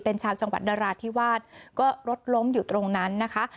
เป็นชาวจังหวัดนราธิวาสก็รถล้มอยู่ตรงนั้นนะคะ